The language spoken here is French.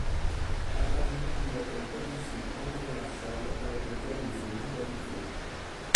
À Paris, il a comme condisciple André Marchal avec lequel il se lie d'amitié.